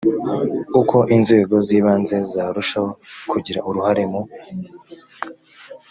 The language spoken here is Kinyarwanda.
uko inzego z ibanze zarushaho kugira uruhare mu